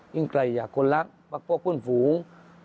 ยิ่งไกลจากคนลักษมณ์พวกขุนฝูง